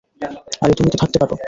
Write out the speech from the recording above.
আরে তুমি তো থাকতো পারো।